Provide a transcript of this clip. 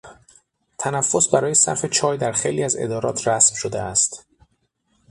تنفس برای صرف چای در خیلی از ادارات رسم شده است.